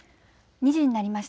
２時になりました。